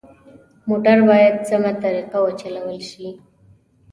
موټر باید سمه طریقه وچلول شي.